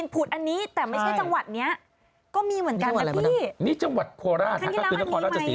อย่างที่เรามาน่ะอ่านข่าวแล้วเราก็เจอแบบนี้